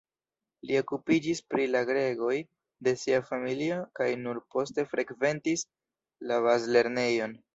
Li okupiĝis pri la gregoj de sia familio kaj nur poste frekventis la bazlernejon.